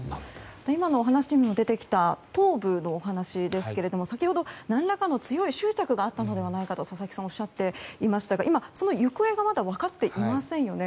今のお話にも出てきた頭部のお話ですが先ほど何らかの強い執着があったのではないかと佐々木さんはおっしゃっていましたが今、その行方がまだ分かっていませんよね。